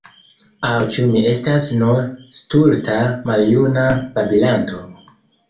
Aŭ ĉu mi estas nur stulta maljuna babilanto?